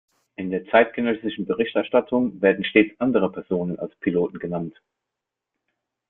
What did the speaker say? In der zeitgenössischen Berichterstattung werden stets andere Personen als Piloten genannt.